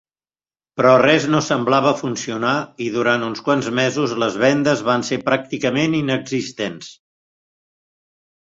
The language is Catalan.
Però res no semblava funcionar i durant uns quants mesos les vendes van ser pràcticament inexistents.